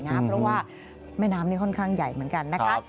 เพราะว่าแม่น้ำนี่ค่อนข้างใหญ่เหมือนกันนะคะ